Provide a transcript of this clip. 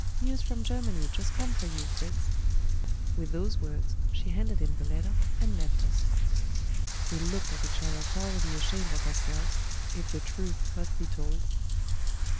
"News from Germany, just come for you, Fritz." With those words, she handed him the letter, and left us. We looked at each other thoroughly ashamed of ourselves, if the truth must be told.